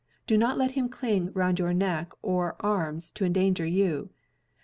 Do not let him cling around your neck or arms to endanger you.